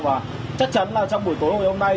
và chắc chắn là trong buổi tối hôm nay